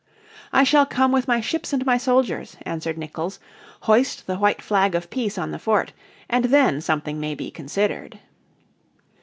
"I shall come with my ships and my soldiers," answered Nicolls. "Hoist the white flag of peace on the fort, and then something may be considered."